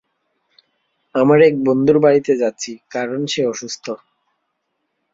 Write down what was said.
আমার এক বন্ধুর বাড়িতে যাচ্ছি, কারণ সে অসুস্থ।